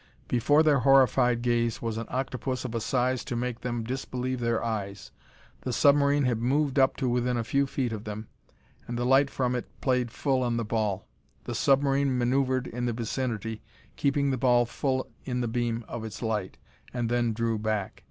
Before their horrified gaze was an octopus of a size to make them disbelieve their eyes. The submarine had moved up to within a few feet of them, and the light from it played full on the ball. The submarine maneuvered in the vicinity, keeping the ball full in the beam of its light, and then drew back.